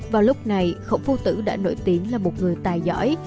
vào lúc này khổng phụ tử đã nổi tiếng là một người tài giỏi